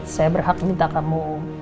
saya berhak minta kamu